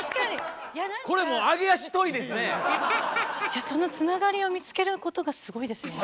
これもうそのつながりを見つけることがすごいですよね。